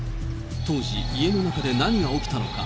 当時、家の中で何が起きたのか。